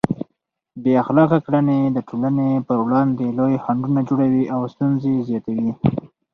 بې اخلاقه کړنې د ټولنې پر وړاندې لوی خنډونه جوړوي او ستونزې زیاتوي.